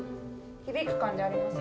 響く感じあります？